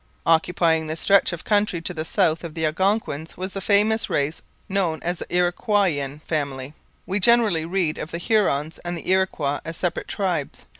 Occupying the stretch of country to the south of the Algonquins was the famous race known as the Iroquoian Family. We generally read of the Hurons and the Iroquois as separate tribes.